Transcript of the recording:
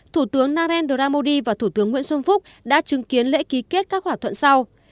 thủ tướng nguyễn xuân phúc đã chứng kiến lễ ký kết các hòa thuận sau